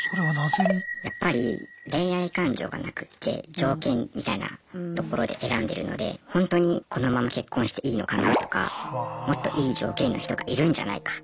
やっぱり恋愛感情がなくて条件みたいなところで選んでるのでほんとにこのまま結婚していいのかなとかもっといい条件の人がいるんじゃないかとか。